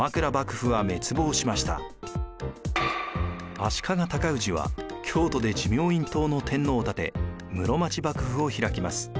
足利尊氏は京都で持明院統の天皇を立て室町幕府を開きます。